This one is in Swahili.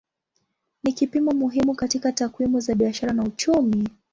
Ni kipimo muhimu katika takwimu za biashara na uchumi.